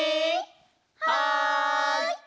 はい。